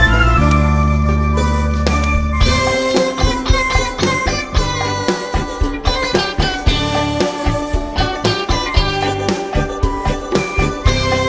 assalamualaikum warahmatullahi wabarakatuh